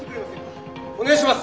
お願いします！